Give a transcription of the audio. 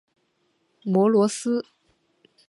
摩罗斯。